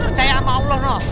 percaya sama allah